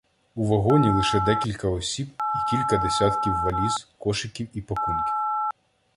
У вагоні — лише декілька осіб і кілька десятків валіз, кошиків і пакунків.